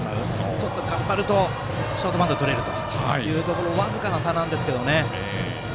ちょっと頑張るとショートバウンドでとれるという僅かな差なんですけどね。